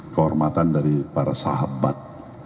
kehormatan dari para sahabat